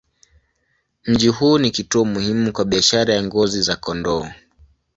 Mji huu ni kituo muhimu kwa biashara ya ngozi za kondoo.